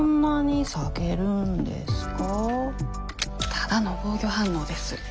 ただの防御反応です。